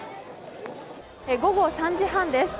午後３時半です。